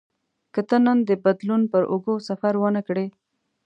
که ته نن د بدلون پر اوږو سفر ونه کړې.